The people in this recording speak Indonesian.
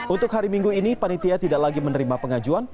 untuk hari minggu ini panitia tidak lagi menerima pengajuan